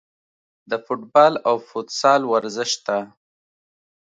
د فوټبال او فوتسال ورزش ته